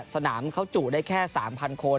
สนามเขาจุได้แค่๓๐๐คน